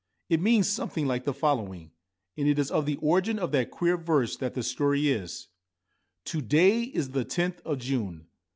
It means something like the following, and it is of the origin of that queer verse that the story is :— To day is the tenth of June.